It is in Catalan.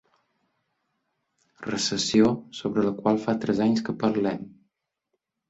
Recessió sobre la qual fa tres anys que parlem.